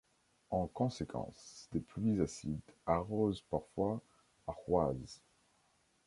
En conséquence, des pluies acides arrosent parfois Ahwaz.